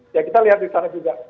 ya kita lihat di sana juga